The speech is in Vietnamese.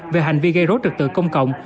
về hành vi gây rối trực tự công cộng